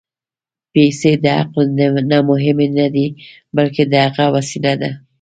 پېسې د عقل نه مهمې نه دي، بلکې د هغه وسیله ده.